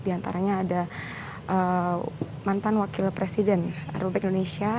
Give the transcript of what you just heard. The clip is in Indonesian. di antaranya ada mantan wakil presiden republik indonesia